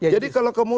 jadi kalau kemudian